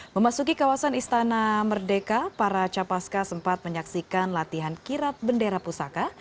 memasuki kawasan istana merdeka para capaska sempat menyaksikan latihan kirap bendera pusaka